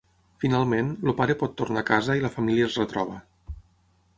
Finalment, el pare pot tornar a casa i la família es retroba.